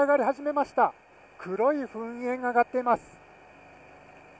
黒い噴煙が上がっています。